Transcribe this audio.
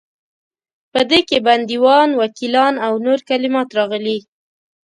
په دې کې بندیوان، وکیلان او نور کلمات راغلي.